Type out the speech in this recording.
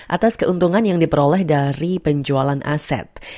atas keuntungan yang diperoleh dari penjualan aset